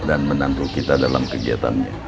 dan menantu kita dalam kegiatannya